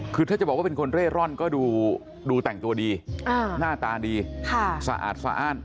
คือถ้าจะบอกว่าเป็นคนเร่ร่อนก็ดูแต่งตัวดีหน้าตาดีสะอาดสะอ้าน